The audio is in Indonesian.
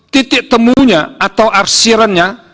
titik temunya atau arsirannya